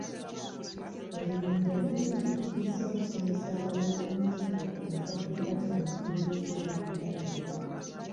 Ebibinja bingi bizze okusomesa abalimi ku nsigo ezitatuukanye na mutindo eziri ku katale.